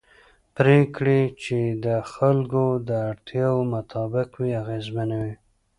پرېکړې چې د خلکو د اړتیاوو مطابق وي اغېزمنې وي